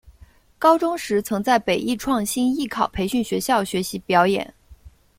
高中时曾在北艺创星艺考培训学校学习表演。